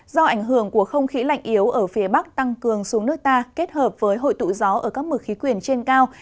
do ảnh hưởng của không khí lạnh yếu ở phía bắc tăng cường xuống nước ta kết hợp với hội tụ gió ở các mực khí quyển trên cao